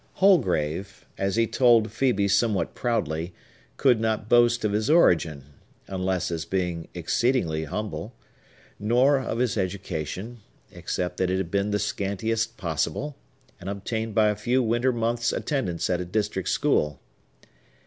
Holgrave, as he told Phœbe somewhat proudly, could not boast of his origin, unless as being exceedingly humble, nor of his education, except that it had been the scantiest possible, and obtained by a few winter months' attendance at a district school.